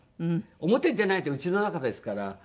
表に出ないでうちの中ですから。